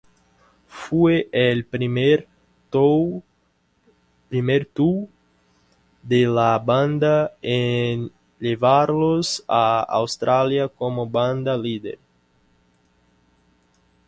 Fue el primer tour de la banda en llevarlos a Australia como banda líder.